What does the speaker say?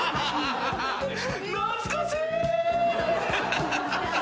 懐かしい！